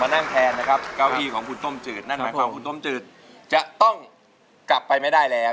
นั่งแทนนะครับเก้าอี้ของคุณต้มจืดนั่นหมายความว่าคุณต้มจืดจะต้องกลับไปไม่ได้แล้ว